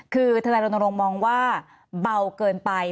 คือทางแทนรวงมองว่าเบาเกินไป